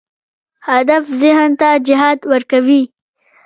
هدف ذهن ته جهت ورکوي.